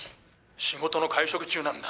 「仕事の会食中なんだ。